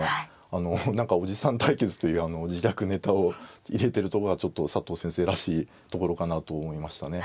あの何かおじさん対決という自虐ネタを入れてるとこがちょっと佐藤先生らしいところかなと思いましたね。